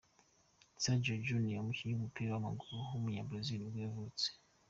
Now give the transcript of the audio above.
Sergio Júnior, umukinnyi w’umupira w’amaguru w’umunyabrazil nibwo yavutse.